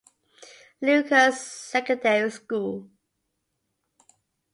Lucas Secondary School.